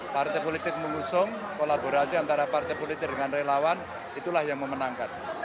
partai politik mengusung kolaborasi antara partai politik dengan relawan itulah yang memenangkan